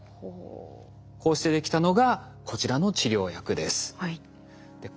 こうしてできたのがこちらの治療薬です。